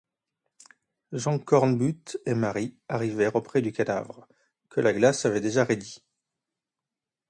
Jean Cornbutte et Marie arrivèrent auprès du cadavre, que la glace avait déjà raidi.